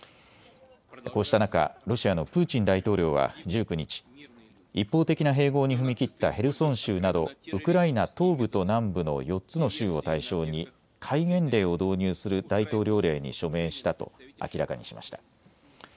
こうした中、ロシアのプーチン大統領は１９日、一方的な併合に踏み切ったヘルソン州などウクライナ東部と南部の４つの州を対象に戒厳令を導入する大統領令に署名したと明らかにしました。